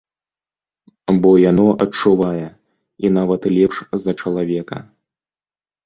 Бо яно адчувае, і нават лепш за чалавека.